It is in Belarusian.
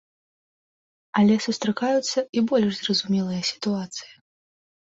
Але сустракаюцца і больш зразумелыя сітуацыі.